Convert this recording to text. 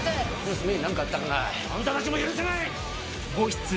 娘に何かあったらなあんたたちも許さない！